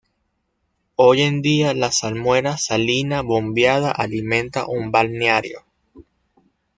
Hoy en día la salmuera salina bombeada alimenta un balneario.